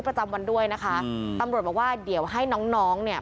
ประจำวันด้วยนะคะอืมตำรวจบอกว่าเดี๋ยวให้น้องน้องเนี่ย